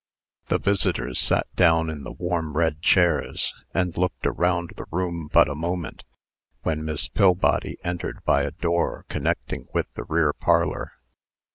The visitors sat down in the warm red chairs, and looked around the room but a moment, when Miss Pillbody entered by a door connecting with the rear parlor.